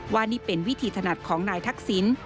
ว่านี่เป็นวิธีถนัดของนายทักษิณ